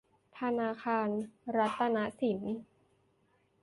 ธนาคารรัตนสิน